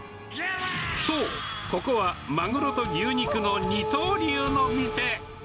そう、ここはマグロと牛肉の二刀流の店。